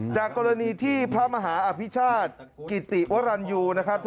จากกรณีที่พระมหาอภิชาติกิติวรรณยูนะครับ